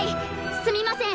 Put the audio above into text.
すみません！